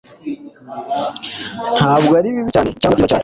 Ntabwo ari bibi cyane cyangwa byiza cyane